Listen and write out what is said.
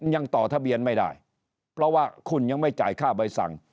ยังต่อทะเบียนไม่ได้เพราะว่าคุณยังไม่จ่ายค่าใบสั่ง